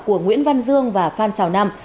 của nguyễn văn dương và phan xào nam